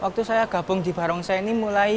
waktu saya gabung di barongsai ini mulai